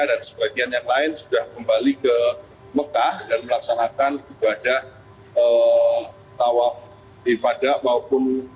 dan sebagian yang lain sudah kembali ke mekah dan melaksanakan ibadah tawaf ibadah